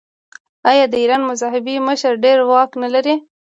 آیا د ایران مذهبي مشر ډیر واک نلري؟